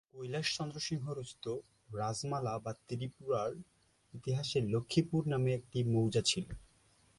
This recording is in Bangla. কৈলাশ চন্দ্র সিংহ রচিত ‘রাজমালা বা ত্রিপুরা’র ইতিহাসে ‘লক্ষ্মীপুর’ নামে একটি মৌজা ছিল।